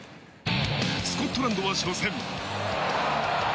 スコットランドは初戦。